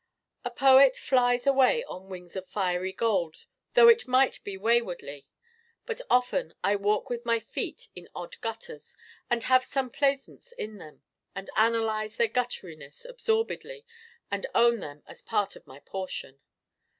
A poet flies always on wings of fiery gold though it might be waywardly. But often I walk with my feet in odd gutters, and have some plaisance in them, and analyze their gutteriness absorbedly and own them as part of my portion.